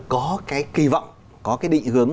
có cái kỳ vọng có cái định hướng